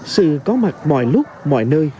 sự có mặt mọi lúc mọi nơi